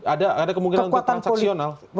ada kemungkinan untuk transaksional